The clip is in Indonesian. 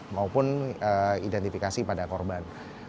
maupun identifikasi pada korban